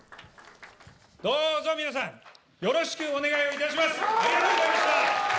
どうぞ皆さん、よろしくお願いいたします。